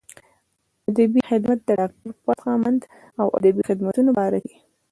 ادبي خدمات د ډاکټر فتح مند د ادبي خدماتو باره کښې